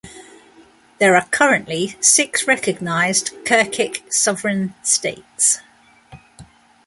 There are currently six recognized Turkic sovereign states.